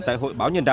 tại hội báo nhân dân